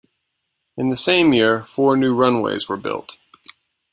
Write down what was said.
In the same year, four new runways were built.